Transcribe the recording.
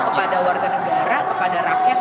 kepada warga negara kepada rakyat